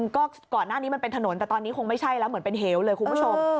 ก็ก่อนหน้านี้มันเป็นถนนแต่ตอนนี้คงไม่ใช่แล้วเหมือนเป็นเหวเลยคุณผู้ชม